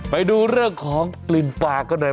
ไปดูเรื่องของกลิ่นปลากันหน่อย